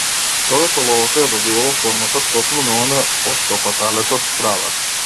Тогаш оловото ја добивало формата токму на она од што паталецот страда.